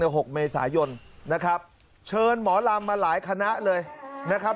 หกเมษายนนะครับเชิญหมอลำมาหลายคณะเลยนะครับ